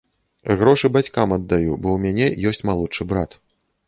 Грошы бацькам аддаю, бо ў мяне ёсць малодшы брат.